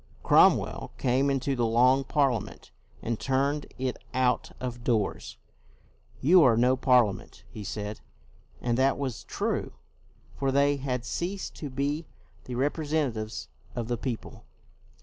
Cromwell came into the Long Parliament and turned it out of doors. " You are no Parliament," he said. And that was true, for they had ceased to be the representatives of the people.